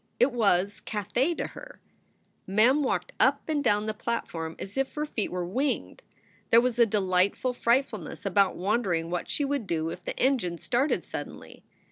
It was Cathay to her. Mem walked up and down the platform as if her feet were winged. There was a delightful frightfulness about wonder ing what she would do if the engine started suddenly.